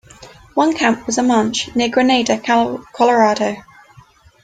One camp was Amache near Granada, Colorado.